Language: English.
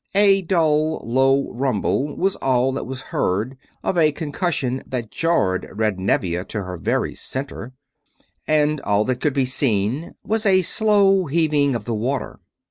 A dull, low rumble was all that was to be heard of a concussion that jarred red Nevia to her very center; and all that could be seen was a slow heaving of the water.